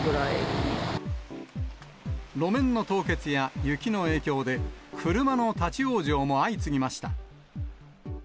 路面の凍結や雪の影響で、車の立往生も相次ぎました。